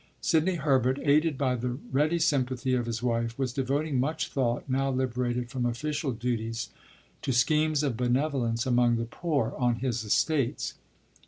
Sidney Herbert, aided by the ready sympathy of his wife, was devoting much thought, now liberated from official duties, to schemes of benevolence among the poor on his estates.